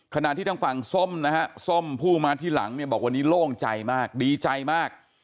ขณะที่ทางฝั่งส้มนะฮะส้มผู้มาที่หลังเนี่ยบอกวันนี้โล่งใจมากดีใจมาก